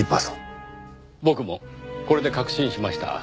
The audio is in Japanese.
僕もこれで確信しました。